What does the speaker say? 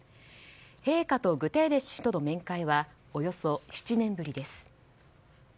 陛下とグテーレス氏との面会はおよそ７年ぶりです。